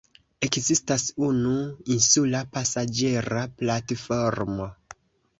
Ekzistas unu insula pasaĝera platformo.